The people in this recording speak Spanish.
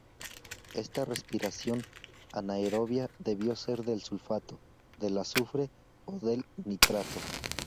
Esta respiración anaerobia debió ser del sulfato, del azufre o del nitrato.